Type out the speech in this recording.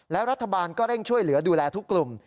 และรัฐบาลก็เร่งช่วยเหลือดูแลทุกกลุ่ม